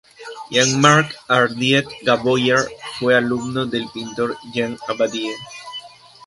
Jean-Marc Ardiet-Gaboyer fue alumno del pintor Jean Abadie.